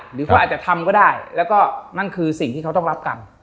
หรือเขาอาจจะทำก็ได้แล้วก็นั่นคือสิ่งที่เขาต้องรับกรรม